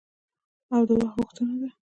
او د وخت غوښتنه ده.